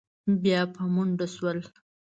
بيا په منډو شول.